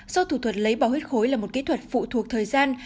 do thủ thuật lấy bào huyết khối là một kỹ thuật phụ thuộc thời gian